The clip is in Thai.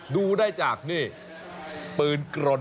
ดูได้จากนี่ปืนกรน